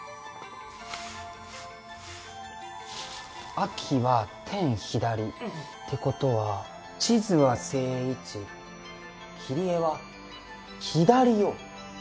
秋は「天・左」ってことは地図は正位置切り絵は左を上に。